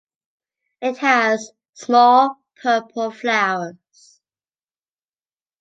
It has small purple flowers.